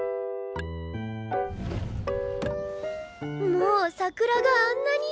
もう桜があんなに。